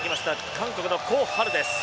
韓国のコ・ハルです。